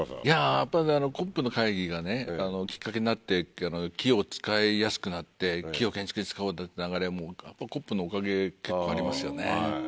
やっぱりＣＯＰの会議がきっかけになって木を使いやすくなって木を建築に使おうって流れはＣＯＰのおかげ結構ありますよね。